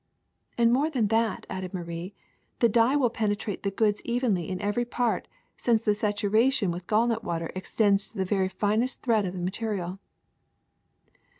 '^ *^And more than that,'' added Marie, ^Hhe dye will penetrate the goods evenly in every part, since the saturation with gallnut water extends to the very tiniest thread of the material.''